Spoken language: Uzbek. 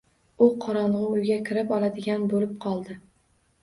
U qorongʻi uyga kirib oladigan boʻlib qoldi.